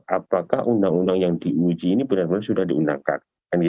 apakah undang undang yang diuji ini benar benar sudah diundangkan